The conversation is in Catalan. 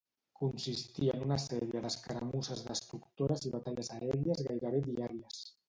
Consistia en una sèrie d'escaramusses destructores i batalles aèries gairebé diàries.